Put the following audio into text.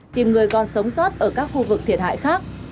tìm người còn sống sót ở các khu vực thiệt hại khác